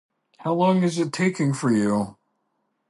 How long is it taking for you?